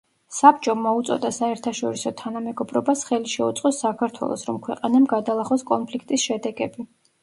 საბჭომ მოუწოდა საერთაშორისო თანამეგობრობას ხელი შეუწყოს საქართველოს, რომ ქვეყანამ გადალახოს კონფლიქტის შედეგები.